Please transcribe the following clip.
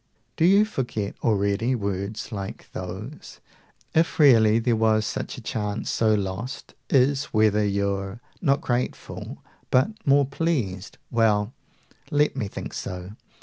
Do you forget already words like those?) 200 If really there was such a chance, so lost Is, whether you're not grateful but more pleased. Well, let me think so.